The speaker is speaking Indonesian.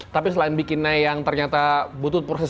tapi selain bikinnya yang ternyata butuh proses